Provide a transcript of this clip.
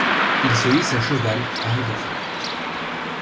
Il se hisse à cheval, arrive au fort.